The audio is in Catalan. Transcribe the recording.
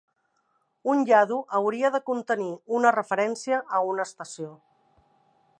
Un yadu hauria de contenir una referència a una estació.